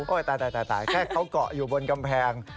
ตายแค่เขาเกาะอยู่บนกำแพง